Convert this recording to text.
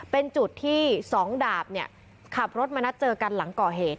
เป็นจุดที่สองดาบขับรถมานัดเจอกันหลังก่อเหตุ